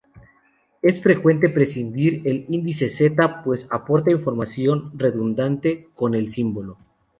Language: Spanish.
Es frecuente prescindir del índice Z, pues aporta información redundante con el símbolo.